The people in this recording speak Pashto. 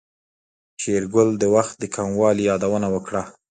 شېرګل د وخت د کموالي يادونه وکړه.